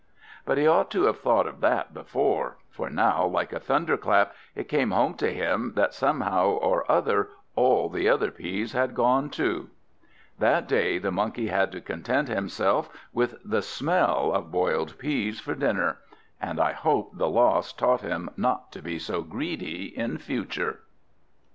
But he ought to have thought of that before, for now like a thunderclap, it came home to him, that somehow or other all the other peas had gone too. That day the Monkey had to content himself with the smell of boiled peas for dinner, and I hope the loss taught him not to be so greedy in future.